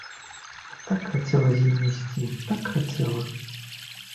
А так хацела з імі ісці, так хацела!